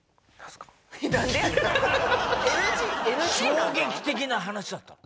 衝撃的な話だったの。